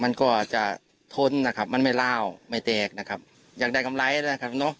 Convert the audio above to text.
มันก็อาจจะทนนะครับมันไม่ล่าวไม่แตกนะครับอยากได้กำไรนะครับเนอะ